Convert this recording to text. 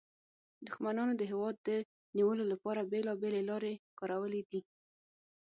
دښمنانو د هېواد د نیولو لپاره بیلابیلې لارې کارولې دي